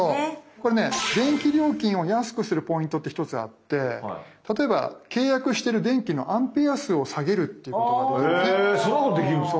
これね電気料金を安くするポイントって１つあって例えば契約してる電気のアンペア数を下げるっていうことができるね。へそんなことできるんですか。